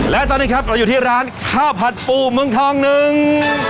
และตอนนี้ครับเราอยู่ที่ร้านข้าวผัดปูเมืองทองหนึ่ง